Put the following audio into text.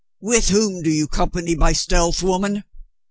"With whom do you company by stealth, woman?"